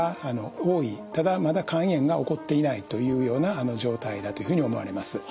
ただまだ肝炎が起こっていないというような状態だというふうに思われます。